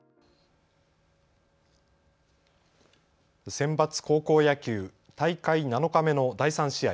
センバツ高校野球、大会７日目の第３試合。